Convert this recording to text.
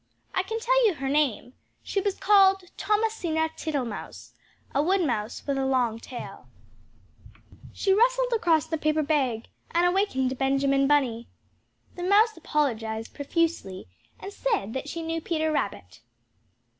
(I can tell you her name, she was called Thomasina Tittlemouse, a woodmouse with a long tail.) She rustled across the paper bag, and awakened Benjamin Bunny. The mouse apologized profusely, and said that she knew Peter Rabbit.